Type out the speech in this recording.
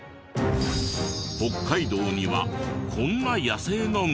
北海道にはこんな野生の群れも。